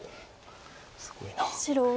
すごいな。